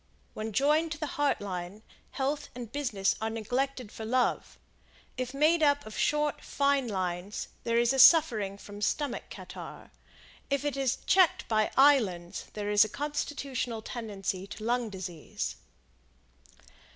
When joined to Heart Line, health and business are neglected for Love; if made up of short, fine lines, there is suffering from stomach catarrh; if it is checked by islands there is a constitutional tendency to lung disease.